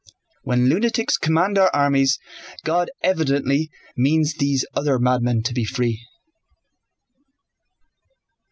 When lunatics command our armies God evidently means these other madmen to be free."